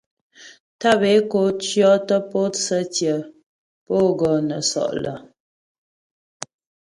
Tàp é ko cyɔtə pǒtsə tsyé pǒ gɔ nə́ sɔ' lə́.